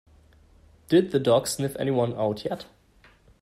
Did the dog sniff anyone out yet?